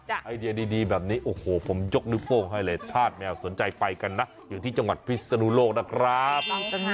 ไอเดียดีแบบนี้โอ้โหผมยกนิ้วโป้งให้เลยธาตุแมวสนใจไปกันนะอยู่ที่จังหวัดพิศนุโลกนะครับ